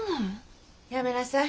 やめなさい。